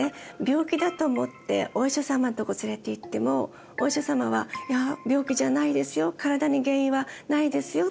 病気だと思ってお医者様のとこ連れていってもお医者様は「いや病気じゃないですよ。